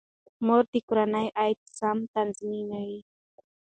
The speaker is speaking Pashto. مور د کورنۍ عاید سم تنظیموي.